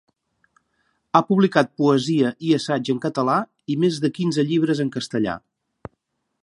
Ha publicat poesia i assaig en català i més de quinze llibres en castellà.